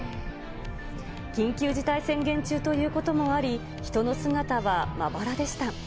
緊急事態宣言中ということもあり、人の姿はまばらでした。